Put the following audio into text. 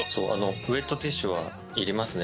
ウェットティッシュはいりますね。